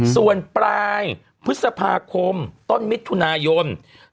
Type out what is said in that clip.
ส่วนปลายพฤษภาคมต้นมิถุนายน